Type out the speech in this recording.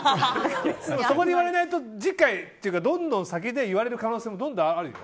そこで言わないと次回というか、どんどん先で言われる可能性もあるよ。